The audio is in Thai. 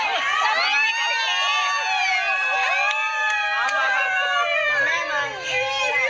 มีที่ว่าเมยน้องปิกอยู่